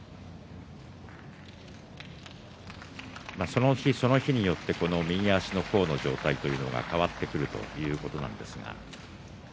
その日その日によってこの右足の甲の状態というのが変わってくるということなんですが。